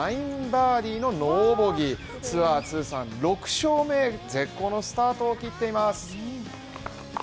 ９バーディーのノーボギーツアー通算６勝目へ絶好のスタートを切っています。